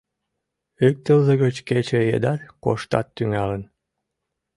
Ик тылзе гыч кече едат кошташ тӱҥалын.